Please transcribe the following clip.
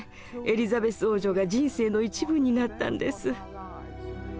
エリザベス王女が人生の一部になったんです。